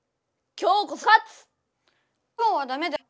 今日はダメだよ。